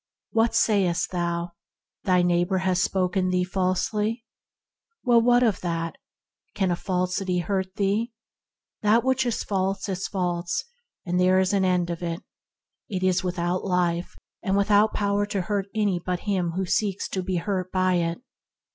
What sayest thou, thy neighbor has spoken thee falsely ? Well, what of that ? Can a falsity hurt thee ? What is false is false, and there is an end of it. It is without life, and without power to hurt any but him who seeks to hurt by it.